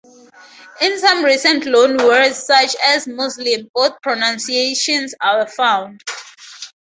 In some recent loan words such as "Muslim" both pronunciations are found.